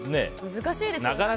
難しいですよね。